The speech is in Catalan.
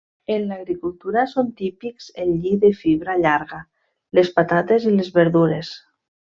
En l'agricultura són típics el lli de fibra llarga, les patates i les verdures.